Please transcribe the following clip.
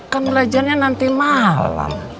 kan belajarnya nanti malam